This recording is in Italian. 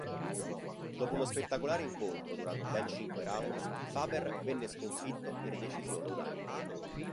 Dopo uno spettacolare incontro durato ben cinque round, Faber venne sconfitto per decisione unanime.